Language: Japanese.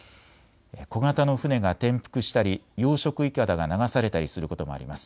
小型の船が転覆したり養殖いかだが流されたりすることもあります。